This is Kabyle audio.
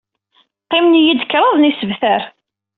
Qqimen-iyi-d kraḍ n yisebtar.